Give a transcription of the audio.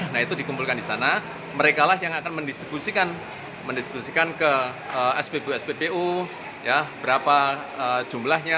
nah itu dikumpulkan di sana mereka lah yang akan mendiskusikan ke spbu spbu berapa jumlahnya